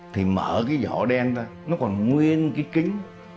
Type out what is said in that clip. thì mở cái vỏ đen ra nó còn nguyên cái kính